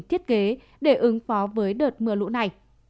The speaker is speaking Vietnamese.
thiết kế để ứng phó với đợt mưa lũ này